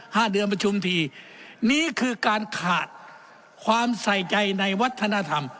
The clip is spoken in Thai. ห้าเดือนประชุมทีนี่คือการขาดความใส่ใจในวัฒนธรรม